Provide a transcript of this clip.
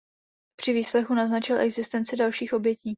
Při výslechu naznačil existenci dalších obětí.